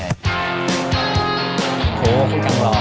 โอ้โหคุณกังรอบ